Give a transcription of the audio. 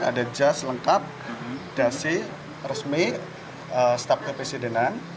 ada jas lengkap dasi resmi staff kepresidenan